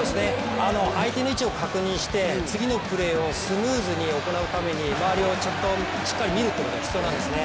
相手の位置を確認して次のプレーをスムーズに行うために周りをしっかり見るということが必要なんですね。